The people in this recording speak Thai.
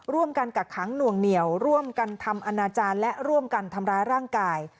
กักขังหน่วงเหนียวร่วมกันทำอนาจารย์และร่วมกันทำร้ายร่างกาย